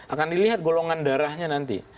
akan dilihat golongan darahnya nanti